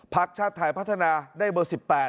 ชาติไทยพัฒนาได้เบอร์๑๘